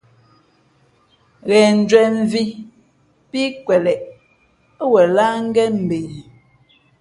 Ghen njwēn mvhī pí kweleꞌ ά wen láh ngén mbe.